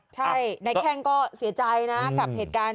ใช่นายแข้งก็เสียใจนะ